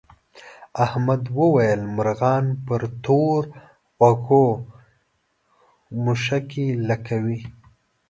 احمد وویل مرغان پر تور غوږو مښوکې لکوي.